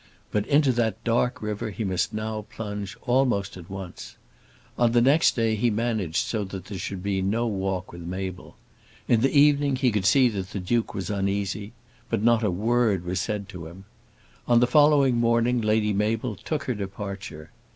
But into that dark river he must now plunge almost at once. On the next day, he managed so that there should be no walk with Mabel. In the evening he could see that the Duke was uneasy; but not a word was said to him. On the following morning Lady Mabel took her departure.